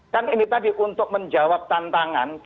kan ini tadi untuk menjawab tantangan